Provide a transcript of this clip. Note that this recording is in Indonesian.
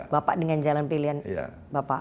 bapak dengan jalan pilihan bapak